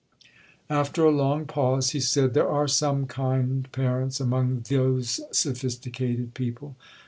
'After a long pause, he said, 'There are some kind parents among those sophisticated people.'